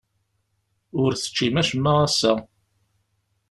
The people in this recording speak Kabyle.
Ur teččim acemma ass-a?